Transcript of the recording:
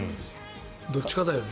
どっちかだよね。